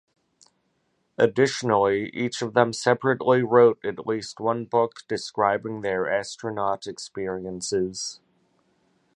Additionally, each of them separately wrote at least one book describing their astronaut experiences.